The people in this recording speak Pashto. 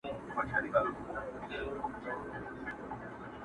o يو بام، دوې هواوي!